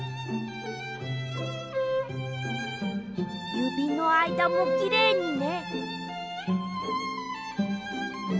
ゆびのあいだもきれいにね。